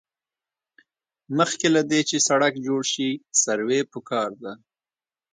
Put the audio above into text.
مخکې له دې چې سړک جوړ شي سروې پکار ده